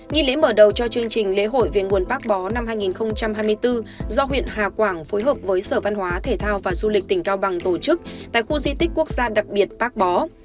nghi lễ mở đầu cho chương trình lễ hội về nguồn bác bó năm hai nghìn hai mươi bốn do huyện hà quảng phối hợp với sở văn hóa thể thao và du lịch tỉnh cao bằng tổ chức tại khu di tích quốc gia đặc biệt bác bó